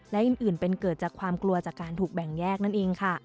และอื่นเป็นเกิดจากความกลัวจากการถูกแบ่งแยกนั่นเองค่ะ